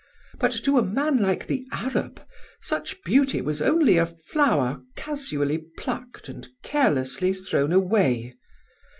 But to a man like the Arab such beauty was only a flower casually plucked and carelessly thrown away.